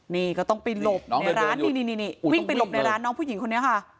นี่ก็ต้องไปหลบในร้านนี่วิ่งไปหลบในร้านน้องผู้หญิงคนนี้ค่ะ